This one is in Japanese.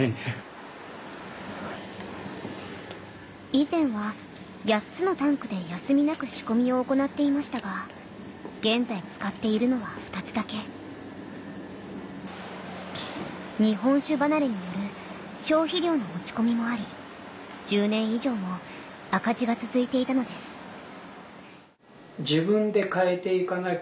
以前は８つのタンクで休みなく仕込みを行っていましたが現在使っているのは２つだけ日本酒離れによる消費量の落ち込みもあり１０年以上も赤字が続いていたのです頼れる